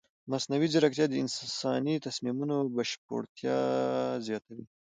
مصنوعي ځیرکتیا د انساني تصمیمونو بشپړتیا زیاتوي.